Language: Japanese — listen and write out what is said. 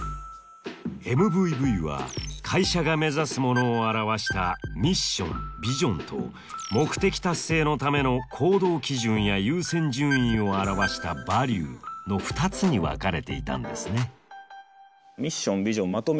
ＭＶＶは会社が目指すものを表したミッションビジョンと目的達成のための行動規準や優先順位を表したバリューの２つに分かれていたんですね。